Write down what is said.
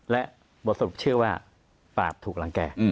และบทสรุปเชื่อว่าปราบถูกหลังแก่